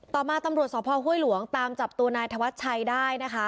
ต่อมาตำรวจสพห้วยหลวงตามจับตัวนายธวัชชัยได้นะคะ